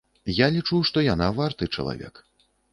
Я лічу, што яна варты чалавек.